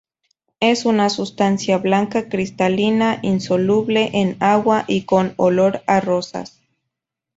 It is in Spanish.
Es una sustancia blanca cristalina, insoluble en agua y con olor a rosas.